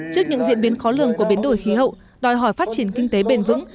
trước những diễn biến khó lường của biến đổi khí hậu đòi hỏi phát triển kinh tế bền vững